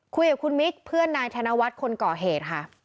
คุยกับคุณมิกเพื่อนนายธนวัฒน์คนก่อเหตุค่ะ